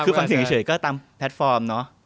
คือฟังเสียงเฉยก็ตามแพลตฟอร์มเนอะ